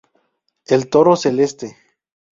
El toro celeste.